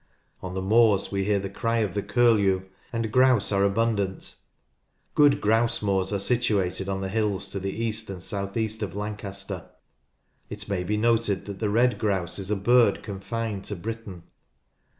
On the moors we hear the cry of the curlew, and grouse are abundant. Good grouse moors are situated on the hills to the east and south east of Lancaster. It may be noted that the red grouse is a bird confined to Britain.